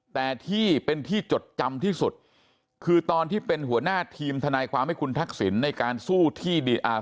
แต่ที่เป็นที่จดจำที่สุดคือตอนที่เป็นหัวหน้าทีมทนายความให้คุณทักษิณในการสู้ที่ดีอ่า